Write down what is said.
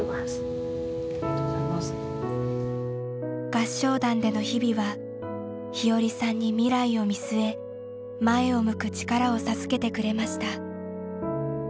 合唱団での日々は日和さんに未来を見据え前を向く力を授けてくれました。